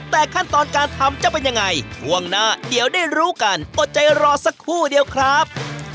แต่ขั้นตอนการทำจะเป็นยังไงช่วงหน้าเดี๋ยวได้รู้กันอดใจรอสักครู่เดียวครับ